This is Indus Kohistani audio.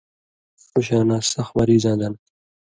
ݜُوشاناں سخ مریضاں دن